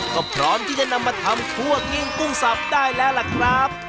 ก็พร้อมที่จะนำมาทำคั่วกิ้งกุ้งสับได้แล้วล่ะครับ